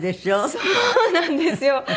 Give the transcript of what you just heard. そうなんですよ。